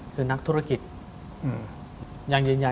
เป็นนกธุรกิจ